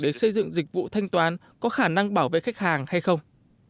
để xây dựng dịch vụ thanh toán có khả năng bảo vệ khách hàng hay không